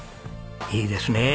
いいですねえ